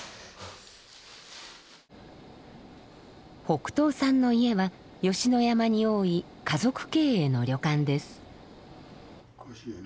北東さんの家は吉野山に多い家族経営の旅館です。